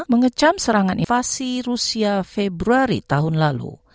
mengecam serangan invasi rusia februari tahun lalu